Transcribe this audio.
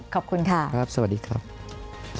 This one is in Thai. ครับสวัสดีครับขอบคุณค่ะ